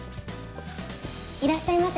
いらっしゃいませ。